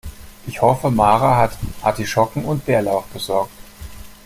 Ich hoffe, Mara hat Artischocken und Bärlauch besorgt.